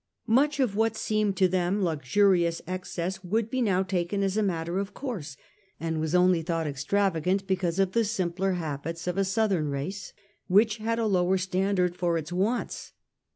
Much of what seemed to them luxurious excess would be now taken as a matter of course, and was only thought extravagant because of the simpler habits of a Southern race, which had a lower standard for its wants.